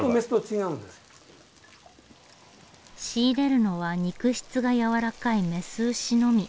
仕入れるのは肉質がやわらかい雌牛のみ。